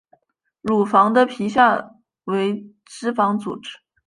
乳房的皮下为脂肪组织。